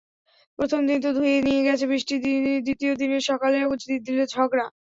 প্রথম দিন তো ধুয়েই নিয়ে গেছে, বৃষ্টি দ্বিতীয় দিনের সকালেও দিল বাগড়া।